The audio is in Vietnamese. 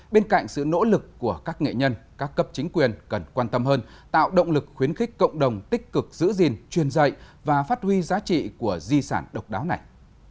bên cạnh sự nỗ lực của các nghệ nhân các cấp chính quyền cần quan tâm hơn tạo động lực khuyến khích cộng đồng tích cực giữ gìn truyền dạy và phát huy giá trị của di sản độc đáo này